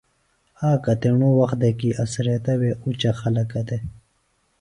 آک ایتیݨوۡ وخت دےۡ کیۡ اڅھریتہ وے اُچہ خلَکہ دےۡ